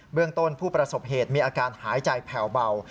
เรื่องต้นผู้ประสบเหตุมีอาการหายใจแผ่วเบา